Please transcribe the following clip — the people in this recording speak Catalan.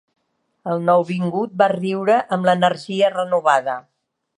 El nouvingut va riure amb l'energia renovada.